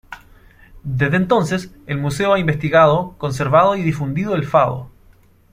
Desde entonces, el museo ha investigado, conservado y difundido el fado.